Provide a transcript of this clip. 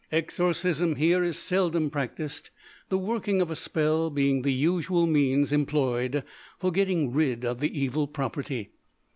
Exorcism here is seldom practised, the working of a spell being the usual means employed for getting rid of the evil property.